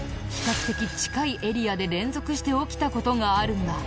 比較的近いエリアで連続して起きた事があるんだ。